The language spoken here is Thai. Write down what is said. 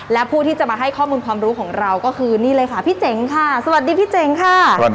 และผู้ที่จะมาให้ข้อมูลความรู้ของเราก็คือนี่เลยค่ะพี่เจ๋งค่ะสวัสดีพี่เจ๋งค่ะ